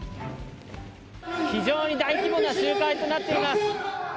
非常に大規模な集会となっています。